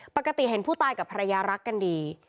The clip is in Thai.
ปกติเห็นผู้ตายกับภรรยารักกันดี